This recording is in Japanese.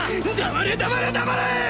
黙れ黙れ黙れ‼